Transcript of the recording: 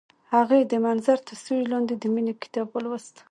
هغې د منظر تر سیوري لاندې د مینې کتاب ولوست.